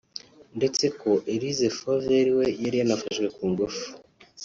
ndetse ko Elise Fauvel we yari yanafashwe ku ngufu